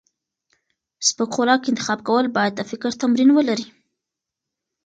سپک خوراک انتخاب کول باید د فکر تمرین ولري.